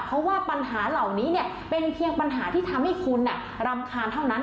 เพราะว่าปัญหาเหล่านี้เป็นเพียงปัญหาที่ทำให้คุณรำคาญเท่านั้น